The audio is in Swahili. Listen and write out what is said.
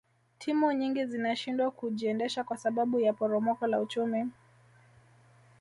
timu nyingi zinashindwa kujiendesha kwa sababu ya poromoko la uchumi